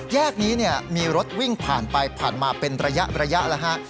แยกนี้มีรถวิ่งผ่านไปผ่านมาเป็นระยะแล้วฮะ